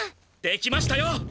できましたよ！